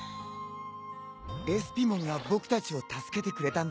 エスピモンが僕たちを助けてくれたんだね。